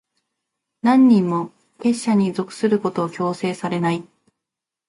何人も、結社に属することを強制されない。